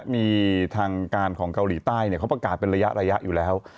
มีทางการของเกาหลีใต้เขาประกาศเป็นระยะอยู่แล้ว